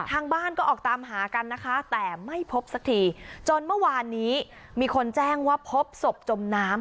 ทางบ้านก็ออกตามหากันนะคะแต่ไม่พบสักทีจนเมื่อวานนี้มีคนแจ้งว่าพบศพจมน้ำ